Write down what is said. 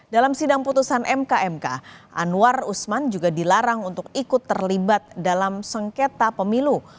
dalam sidang putusan mk mk anwar usman juga dilarang untuk ikut terlibat dalam sengketa pemilu